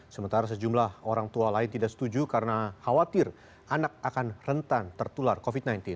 sementara sejumlah orang tua lain tidak setuju karena khawatir anak akan rentan tertular covid sembilan belas